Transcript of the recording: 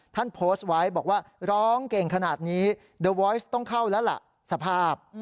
ท่านพสไวท์บอกว่าร้องเก่งขนาดนี้ต้องเข้าแล้วล่ะสภาพ